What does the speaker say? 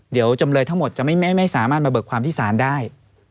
เดี๋ยวจำเลยทั้งหมดจะไม่สามารถมาเบิกความที่ศาลได้